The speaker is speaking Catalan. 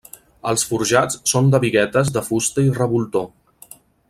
Els forjats són de biguetes de fusta i revoltó.